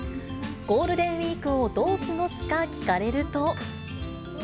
ゴールデンウィークをどう過ごすか聞かれると。